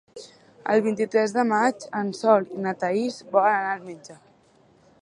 El vint-i-tres de maig en Sol i na Thaís volen anar al metge.